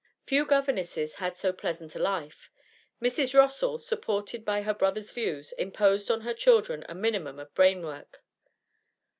Few governesses had so pleasant a life. Mrs. Rossall, supported by her brother's views, imposed on her children a minimum of brain work.